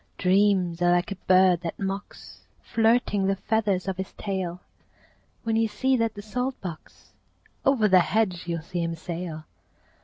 Dreams are like a bird that mocks, Flirting the feathers of his tail. When you sieze at the salt box, Over the hedge you'll see him sail.